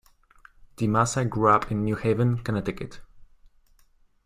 DiMassa grew up in New Haven, Connecticut.